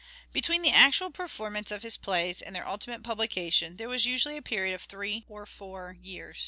Between the actual performance of his plays and their ultimate publication there was usually a period of three or four years.